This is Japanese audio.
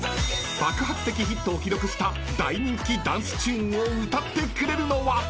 ［爆発的ヒットを記録した大人気ダンスチューンを歌ってくれるのは］